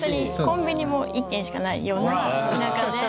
コンビニも１軒しかないような田舎で。